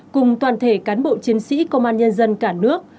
cùng toàn thể cán bộ chiến sĩ công an nhân dân cả nước